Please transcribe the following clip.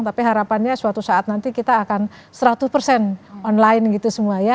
tapi harapannya suatu saat nanti kita akan seratus persen online gitu semua ya